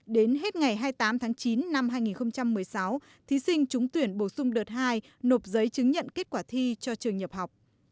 đến hết ngày hai mươi tám tháng chín năm hai nghìn một mươi sáu thí sinh trúng tuyển bổ sung đợt hai nộp giấy chứng nhận kết quả thi cho trường nhập học